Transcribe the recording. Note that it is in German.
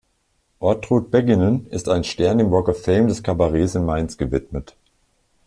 Ortrud Beginnen ist ein Stern im Walk of Fame des Kabaretts in Mainz gewidmet.